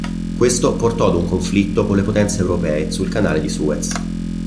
Questo portò ad un conflitto con le potenze europee sul canale di Suez.